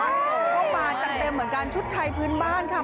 ก็มาจัดเต็มเหมือนกันชุดไทยพื้นบ้านค่ะ